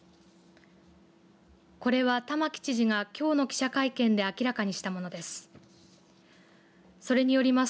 これは玉城知事が、きょうの記者会見で明らかにしたものです。